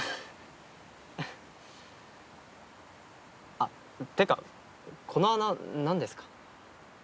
あっっていうかこの穴何ですか？